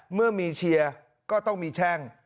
เมื่อมีเชียร์ก็ต้องมีแช่ง